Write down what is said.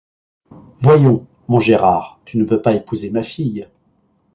Voyons, mon Gérard, tu ne peux pas épouser ma fille.